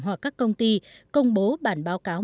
hoặc các công ty công bố bản báo cáo